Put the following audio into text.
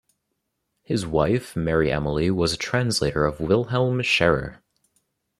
His wife Mary Emily was a translator of Wilhelm Scherer.